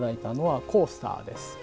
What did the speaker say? あコースターですか。